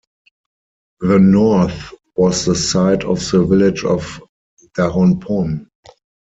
The north was the site of the village of Daronpon.